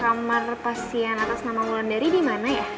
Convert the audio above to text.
kamar pasien atas nama wulandari dimana ya